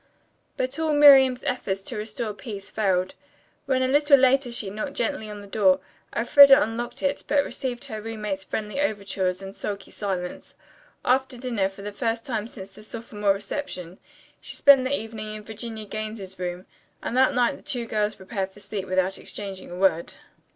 But all Miriam's efforts to restore peace failed. When a little later she knocked gently on the door, Elfreda unlocked it, but received her roommate's friendly overtures in sulky silence. After dinner, for the first time since the sophomore reception, she spent the evening in Virginia Gaines's room and that night the two girls prepared for sleep without exchanging a word.